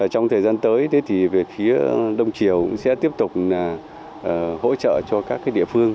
trong thời gian tới thì việt phía đông triều sẽ tiếp tục hỗ trợ cho các địa phương